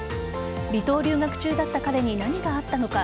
離島留学中だった彼に何があったのか。